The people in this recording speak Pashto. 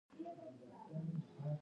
غوږونه د زړونو ترجمان دي